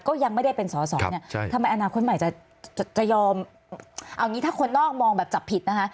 ก็ยังไม่ได้เป็นสอสอเนี่ยทำไมอนาคตใหม่จะจะยอมเอางี้ถ้าคนนอกมองแบบจับผิดนะคะ